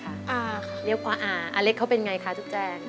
อาค่ะเรียกว่าอาอาเล็กเขาเป็นอย่างไรคะจุ๊กแจง